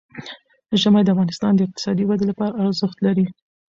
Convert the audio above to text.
ژمی د افغانستان د اقتصادي ودې لپاره ارزښت لري.